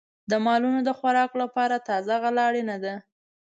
د مالونو د خوراک لپاره تازه غله اړینه ده.